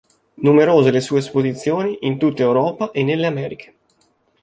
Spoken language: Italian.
Numerose le sue esposizioni, in tutta Europa e nelle Americhe.